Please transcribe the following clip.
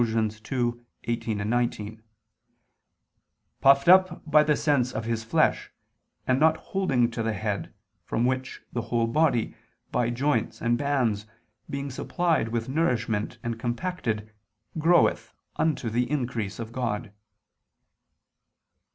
2:18, 19: "Puffed up by the sense of his flesh, and not holding the Head, from which the whole body, by joints and bands, being supplied with nourishment and compacted, groweth unto the increase of God."